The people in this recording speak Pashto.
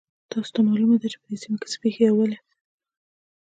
تاسو ته معلومه ده چې په دې سیمه کې څه پېښیږي او ولې